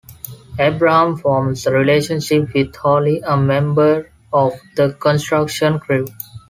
Abraham forms a relationship with Holly, a member of the construction crew.